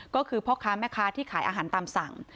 ก็คือพ่อค้าแม่ค้าที่ขายอาหารตามสั่ง